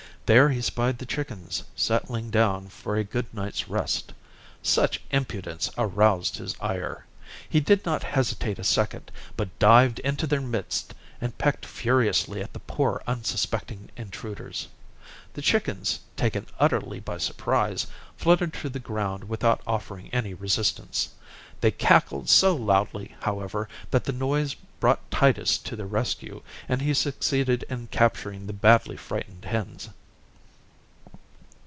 There he spied the chickens settling down for a good night's rest. Such impudence aroused his ire. He did not hesitate a second, but dived into their midst and pecked furiously at the poor, unsuspecting intruders. The chickens, taken utterly by surprise, fluttered to the ground without offering any resistance. They cackled so loudly, however, that the noise brought Titus to their rescue, and he succeeded in capturing the badly frightened hens.